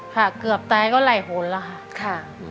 เกือบตายก็ไหลหนแล้วค่ะ